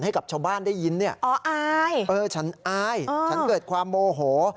ให้กับชาวบ้านได้ยินนี่ฉันอายฉันเกิดความโมโห